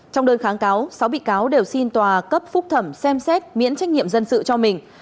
trong đơn kháng cáo sáu bị cáo đều xin tòa cấp phúc thẩm xem xét miễn trách nhiệm dân sự cho mình